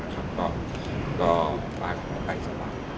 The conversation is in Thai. ก็ป๊ากันไปสบาย